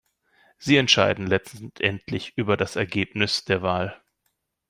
Sie entscheiden letztendlich über das Ergebnis der Wahl.